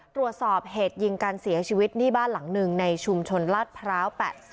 ตรวจสอบเหตุยิงการเสียชีวิตนี่บ้านหลังหนึ่งในชุมชนลาดพร้าว๘๐